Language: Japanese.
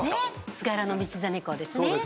菅原道真公ですね。